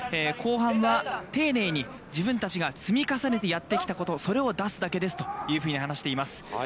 後半は丁寧に、自分たちが積み重ねてやってきたこと、それを出すだけですというふうに話しています。